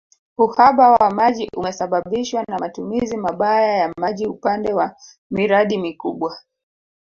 Uhaba wa maji umesababishwa na matumizi mabaya ya maji upande wa miradi mikubwa